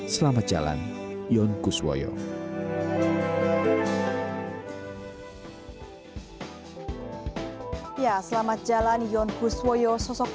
selamat jalan yonkus woyo